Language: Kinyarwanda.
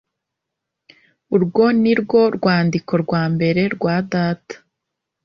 Urwo ni rwo rwandiko rwa mbere rwa data